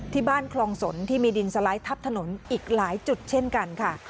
ที่บ้านคลองสนที่มีดินสไลด์ทับถนนอีกหลายจุดเช่นกันค่ะ